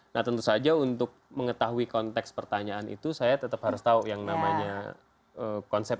nah tentu saja untuk mengetahui konteks pertanyaan itu saya tetap harus tahu yang namanya konsep